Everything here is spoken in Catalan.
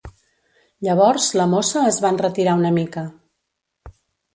Llavors la mossa es va enretirar una mica